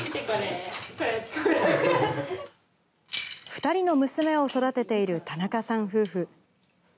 ２人の娘を育てている田中さん夫婦。